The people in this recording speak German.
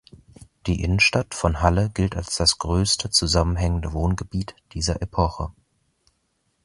Die Innenstadt von Halle gilt als das größte zusammenhängende Wohngebiet dieser Epoche.